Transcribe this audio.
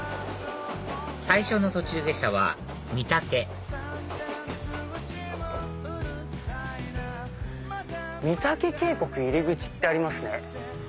最初の途中下車は御嶽「御岳渓谷入口」ってありますね。